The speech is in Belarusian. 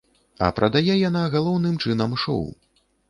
А прадае яна, галоўным чынам, шоў.